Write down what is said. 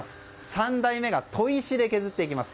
３代目が砥石で削っていきます。